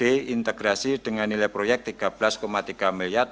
diintegrasi dengan nilai proyek rp tiga belas tiga miliar